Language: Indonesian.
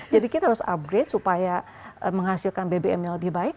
jadi kita harus upgrade supaya menghasilkan bbm nya lebih baik